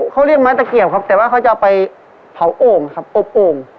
เขาเรียกไม้ตะเขียบครับแต่ว่าเขาจะเอาไปเผาโอ่งครับอบโอ่ง